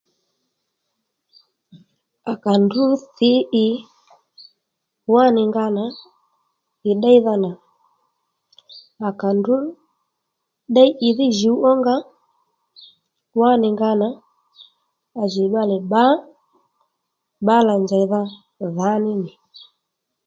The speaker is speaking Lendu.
À ka ndrǔ thǐ ì wá nì nga nà ì ddéydha nà à kà ndrǔ ddéy ìdhí djùw ó nga wá nì nga nà à jì bbalè bbǎ bbǎlà njèydha dhǎní nì